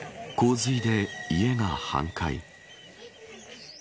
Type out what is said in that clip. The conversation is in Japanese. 洪水で家が半壊。